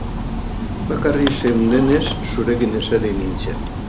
Bakarrik zeundenez, zurekin eseri nintzen.